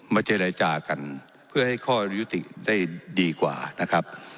เจรจากันเพื่อให้ข้อยุติได้ดีกว่านะครับ